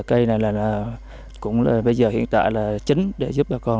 cây này cũng hiện tại là chính để giúp bà con